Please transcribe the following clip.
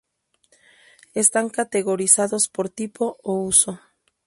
Están categorizados por tipo o uso.